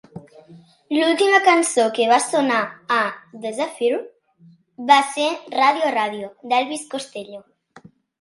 L'última cançó que va sonar a The Zephyr va ser "Radio, Radio" d'Elvis Costello.